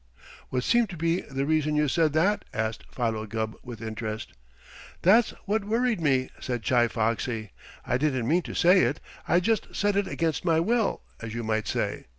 '" "What seemed to be the reason you said that?" asked Philo Gubb with interest. "That's what worried me," said Chi Foxy. "I didn't mean to say it. I just said it against my will, as you might say.